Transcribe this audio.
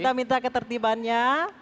kita minta ketertibannya